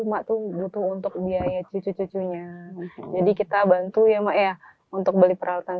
mak tuh butuh untuk biaya cucu cucunya jadi kita bantu ya mak ya untuk beli peralatan